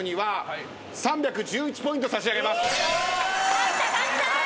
勝った勝った！